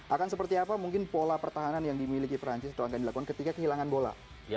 akan seperti apa mungkin pola pertahanan yang dimiliki perancis ketika kehilangan bola